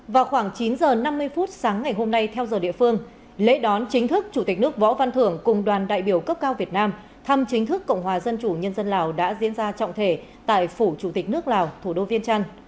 vào khoảng chín h năm mươi phút sáng ngày hôm nay theo giờ địa phương lễ đón chính thức chủ tịch nước võ văn thưởng cùng đoàn đại biểu cấp cao việt nam thăm chính thức cộng hòa dân chủ nhân dân lào đã diễn ra trọng thể tại phủ chủ tịch nước lào thủ đô viên trăn